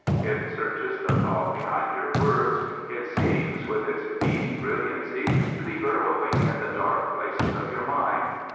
It searches the thought behind your words. It seems, with its beady brilliancy, to be burrowing in the dark places of your mind.